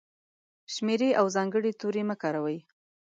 شمېرې او ځانګړي توري مه کاروئ!.